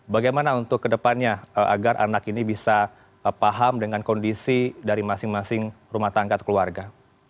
bagaimana untuk kedepannya agar anak ini bisa paham dengan kondisi dari masing masing rumah tangga atau keluarga